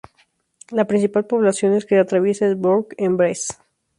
La principal poblaciones que atraviesa es Bourg-en-Bresse.